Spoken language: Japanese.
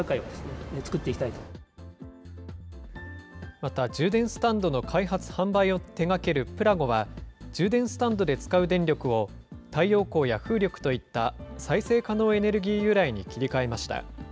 また充電スタンドの開発・販売を手がけるプラゴは、充電スタンドで使う電力を、太陽光や風力といった、再生可能エネルギー由来に切り替えました。